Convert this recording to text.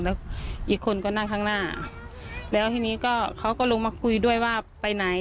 แล้วอีกคนก็นั่งข้างหน้าแล้วทีนี้ก็เขาก็ลงมาคุยด้วยว่าไปไหน